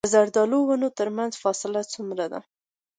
د زردالو د ونو ترمنځ فاصله څومره وي؟